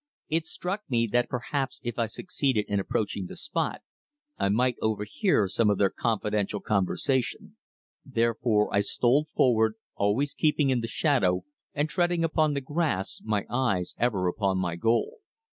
It struck me that perhaps if I succeeded in approaching the spot I might overhear some of their confidential conversation, therefore I stole forward, always keeping in the shadow, and treading upon the grass, my eyes ever upon my goal.